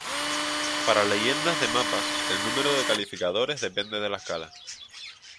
Para leyendas de mapas el número de calificadores depende de la escala.